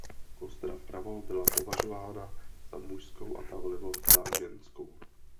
Kostra vpravo byla považována za mužskou a ta vlevo za ženskou.